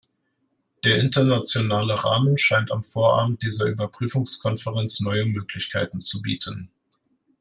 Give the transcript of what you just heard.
Der internationale Rahmen scheint am Vorabend dieser Überprüfungskonferenz neue Möglichkeiten zu bieten.